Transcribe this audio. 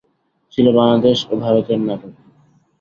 ছিল বাংলাদেশ ও ভারতের নাটক।